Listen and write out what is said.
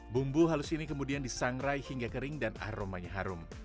bumbu halus ini kemudian disangrai hingga kering dan aromanya harum